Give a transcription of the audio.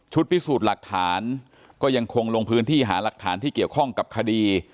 พิสูจน์หลักฐานก็ยังคงลงพื้นที่หาหลักฐานที่เกี่ยวข้องกับคดี